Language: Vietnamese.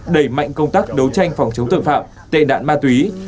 đẩy mạnh công tác đấu tranh phòng chống tượng phạm tệ đạn ma túy